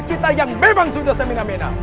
raja kita yang memang sudah semina mena